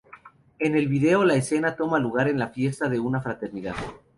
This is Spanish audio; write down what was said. En el video la escena toma lugar en la fiesta de una fraternidad.